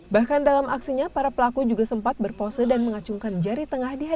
bahkan dalam aksinya para pelaku juga mencari makanan yang berada di dalam kamar terlebih dahulu